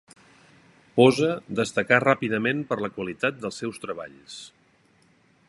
Posa destacà ràpidament per la qualitat dels seus treballs.